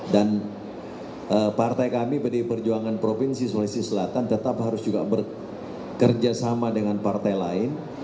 dan partai kami pdi perjuangan provinsi sulawesi selatan tetap harus juga bekerja sama dengan partai lain